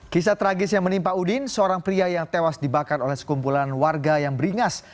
kisah tragis yang menimpa udin seorang pria yang tewas dibakar oleh sekumpulan warga yang beringas